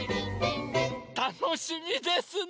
たのしみですね！